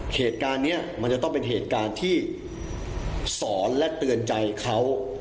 เหตุการณ์นี้มันจะต้องเป็นเหตุการณ์ที่สอนและเตือนใจเขา